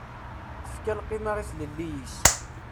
Tefka lqima i tlelli-is.